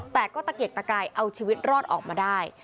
แต่ก็ตะเกียกตะกายเอาชีวิตรอดออกมาได้